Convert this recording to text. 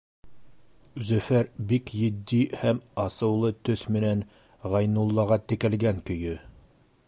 Зөфәр бик етди һәм асыулы төҫ менән Ғәйнуллаға текләгән көйө: